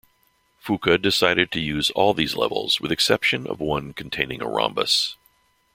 Fuka decided to use all these levels with exception of one containing a rhombus.